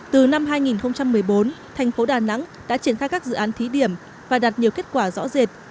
từ năm hai nghìn một mươi bốn thành phố đà nẵng đã triển khai các dự án thí điểm và đạt nhiều kết quả rõ rệt